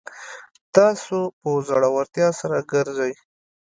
تاسو په زړورتیا سره ګرځئ